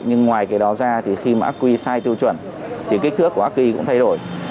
nhưng ngoài cái đó ra thì khi mà ác quy sai tiêu chuẩn thì kích thước của ác quy cũng thay đổi